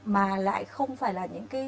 mà lại không phải là những cái